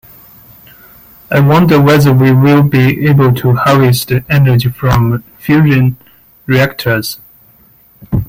I wonder whether we will be able to harvest energy from fusion reactors.